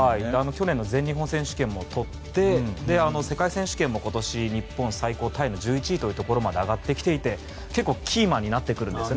去年の全日本選手権もあって世界選手権も今年日本最高タイの１１位というところまで上がってきていて結構、キーマンになってくるんですよね。